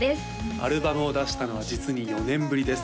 アルバムを出したのは実に４年ぶりです